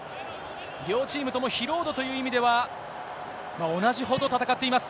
両チームとも疲労度という意味では、同じほど戦っています。